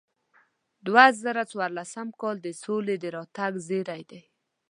دوه زره څوارلسم کال د سولې د راتګ زیری دی.